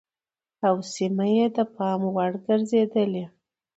او سيمه يې د پام وړ ګرځېدلې